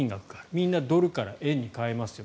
みんなドルから円に替えますよ